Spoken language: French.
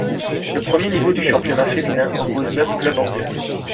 Le premier niveau du championnat féminin oppose neuf clubs anglais.